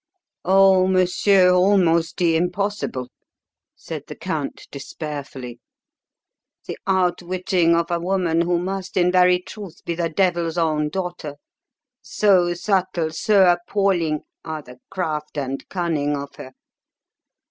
"Oh, monsieur, almost the impossible," said the Count despairfully. "The outwitting of a woman who must in very truth be the devil's own daughter, so subtle, so appalling are the craft and cunning of her.